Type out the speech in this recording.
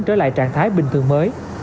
trở lại trạng thái bình thường mới